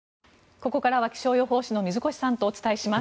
ここからは気象予報士の水越さんとお伝えします。